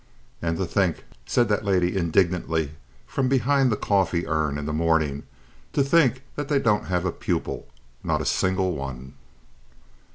"And to think," said that lady indignantly from behind the coffee urn in the morning, "to think that they don't have a pupil, not a single one!"